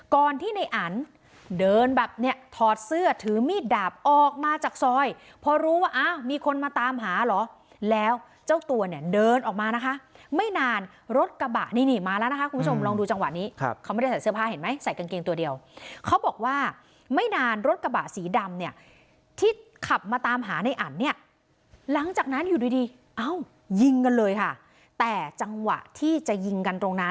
ก่อนที่ในอันเดินแบบเนี่ยถอดเสื้อถือมีดดาบออกมาจากซอยพอรู้ว่าอ้าวมีคนมาตามหาเหรอแล้วเจ้าตัวเนี่ยเดินออกมานะคะไม่นานรถกระบะนี่นี่มาแล้วนะคะคุณผู้ชมลองดูจังหวะนี้เขาไม่ได้ใส่เสื้อผ้าเห็นไหมใส่กางเกงตัวเดียวเขาบอกว่าไม่นานรถกระบะสีดำเนี่ยที่ขับมาตามหาในอันเนี่ยหลังจากนั้นอยู่ดีดีเอ้ายิงกันเลยค่ะแต่จังหวะที่จะยิงกันตรงน้ำ